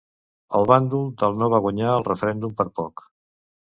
El bàndol del no va guanyar el referèndum per poc.